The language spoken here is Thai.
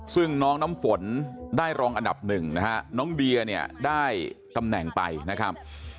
ซึ่งน้องน้ำฝนได้รองอันดับหนึ่งนะฮะน้องเดียเนี่ยได้ตำแหน่งไปนะครับ